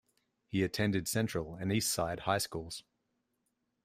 He attended Central and East Side high schools.